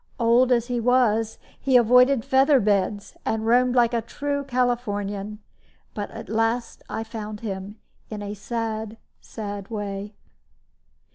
Old as he was, he avoided feather beds, and roamed like a true Californian. But at last I found him, in a sad, sad way.